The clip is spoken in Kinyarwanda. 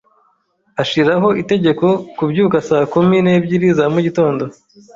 Ashiraho itegeko kubyuka saa kumi n'ebyiri za mugitondo.